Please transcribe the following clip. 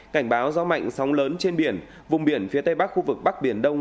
cảnh báo gió mạnh sóng lớn trên biển vùng biển phía tây bắc khu vực bắc biển đông